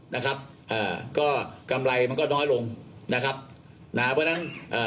นะครับเอ่อก็กำไรมันก็น้อยลงนะครับนะฮะเพราะฉะนั้นเอ่อ